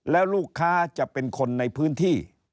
แล้วลูกค้าจะเป็นคนในพื้นที่